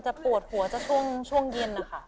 จะโปรดหัวช่วงเย็นอะค่ะ